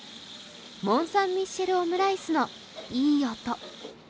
モンサンミッシェル・オムライスのいい音。